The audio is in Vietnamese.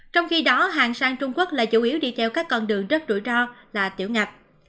trong khi đó hàng sang trung quốc là chủ yếu đi theo các con đường rất rủi ro là tiểu ngạch